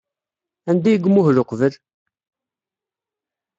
Anda ay imuhel uqbel?